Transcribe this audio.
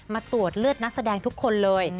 ตรวจเลือดนักแสดงทุกคนเลย